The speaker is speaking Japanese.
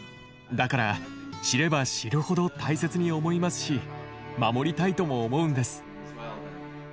だから知れば知るほど大切に思いますし守りたいとも思うんです。